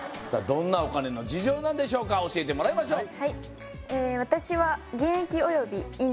どんなお金の事情なんでしょうか教えてもらいましょう